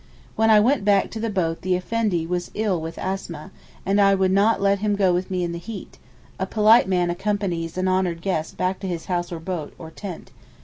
When I went back to the boat the Effendi was ill with asthma, and I would not let him go with me in the heat (a polite man accompanies an honoured guest back to his house or boat, or tent).